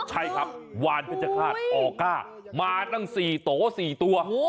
ใช่ครับหวานเพชรฆาตออกก้ามาทั้งสี่โต๊ะสี่ตัว